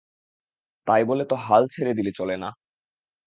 তাই বলে তো হাল ছেড়ে দিলে চলে না।